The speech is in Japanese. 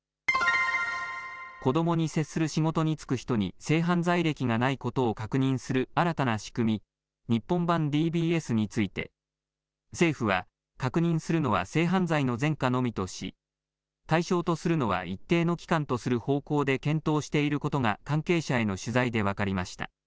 子どもに接する仕事に就く人に性犯罪歴がないことを確認する新たな仕組み、日本版ＤＢＳについて政府は確認するのは性犯罪の前科のみとし対象とするのは一定の期間とする方向で検討していることが関係者への取材で分かりました。